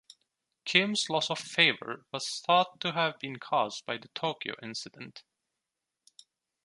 Kim's loss of favour was thought to have been caused by the Tokyo incident.